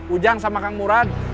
ujang sama kang murad